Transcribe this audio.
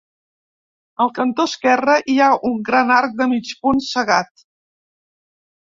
Al cantó esquerre hi ha un gran arc de mig punt cegat.